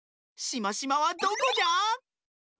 しましまはどこじゃ？